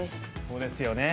そうですよね。